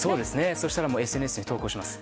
そうしたらＳＮＳに投稿します。